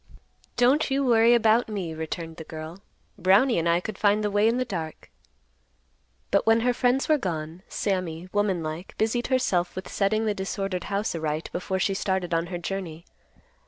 "Don't you worry about me," returned the girl, "Brownie and I could find the way in the dark." But when her friends were gone, Sammy, womanlike, busied herself with setting the disordered house aright before she started on her journey.